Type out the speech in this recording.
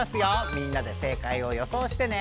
みんなで正かいをよそうしてね。